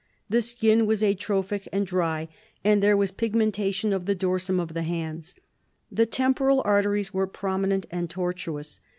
The skin was atrophic and dry, and there was pigmentation of the dorsum of the hands. The temporal arteries were prominent and tortuous.